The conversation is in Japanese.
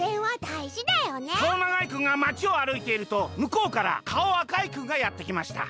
「かおながいくんがまちをあるいているとむこうからかおあかいくんがやってきました。